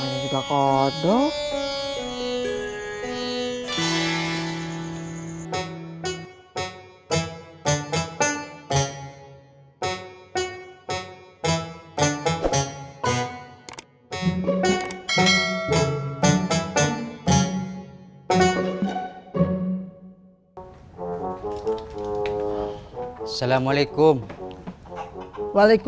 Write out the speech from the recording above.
gak mau ah